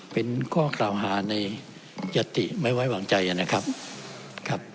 เป็นข้อกล่าวหาในยติไม่ไว้วางใจนะครับครับ